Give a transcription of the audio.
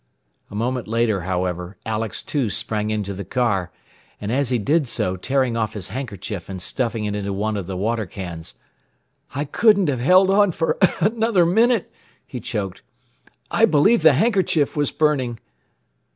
A moment later, however, Alex too sprang into the car, as he did so tearing off his handkerchief and stuffing it into one of the water cans. "I couldn't have held on another minute," he choked. "I believe the handkerchief was burning."